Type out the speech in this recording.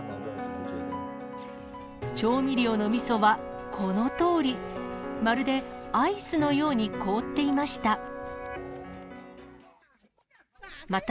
調味料のみそはこのとおり、まるでアイスのように凍っていました。